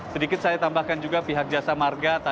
terutama di ratu